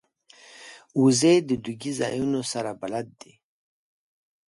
وزې د دوږی ځایونو سره بلد دي